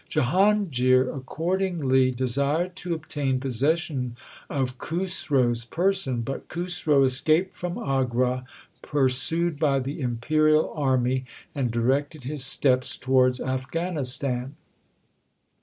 Jahangir accordingly desired to obtain possession of Khusro s person, but Khusro escaped from Agra pursued by the Imperial army, and directed his steps towards Afghanistan.